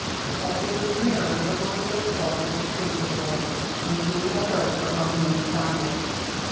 As they drew nearer, the words they spoke were distinguishable, and Julia heard her own name sounded.